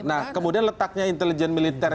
nah kemudian letaknya intelijen militer